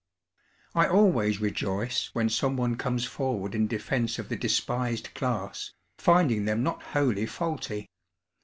I always rejoice when someone comes forward in defense of the despised class, finding them not wholly faulty.